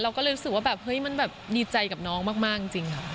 ก็เลยรู้สึกว่าแบบเฮ้ยมันแบบดีใจกับน้องมากจริงค่ะ